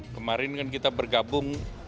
kemarin kan kita bergabung